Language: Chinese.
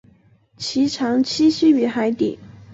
其常栖息于海底。